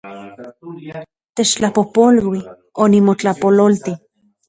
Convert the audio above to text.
Techtlapojpolui, onimotlapololti